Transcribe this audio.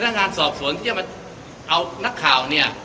นักงานสอบสวนที่จะมาเอานักข่าวเนี่ย